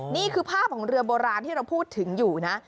นี่คือภาพของเรือโบราณที่เราพูดถึงอยู่นะ